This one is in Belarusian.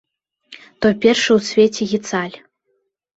Той першы ў свеце гіцаль!